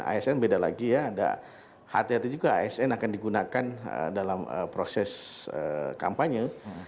asn beda lagi ya ada hati hati juga asn akan digunakan dalam proses kampanye